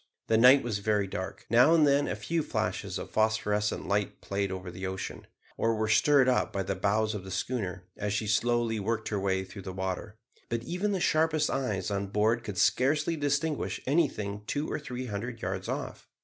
The night was very dark, now and then a few flashes of phosphorescent light played over the ocean, or were stirred up by the bows of the schooner, as she slowly worked her way through the water; but even the sharpest eyes on board could scarcely distinguish anything two or three hundred yards off.